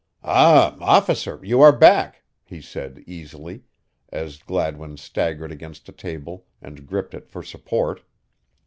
"Ah, Officer, you are back," he said easily, as Gladwin staggered against a table and gripped it for support.